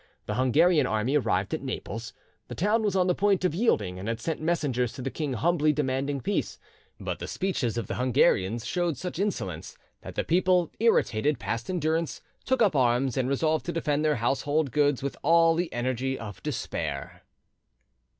The Hungarian army arrived at Naples. The town was on the point of yielding, and had sent messengers to the king humbly demanding peace; but the speeches of the Hungarians showed such insolence that the people, irritated past endurance, took up arms, and resolved to defend their household gods with all the energy of despair.